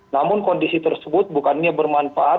namun kondisi tersebut bukannya bermanfaat